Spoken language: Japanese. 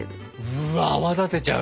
うわっ泡立てちゃう。